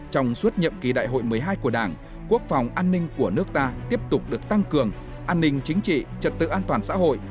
trong suốt nhiệm kỳ đại hội một mươi hai của đảng quốc phòng an ninh của nước ta tiếp tục được tăng cường an ninh chính trị trật tự an toàn xã hội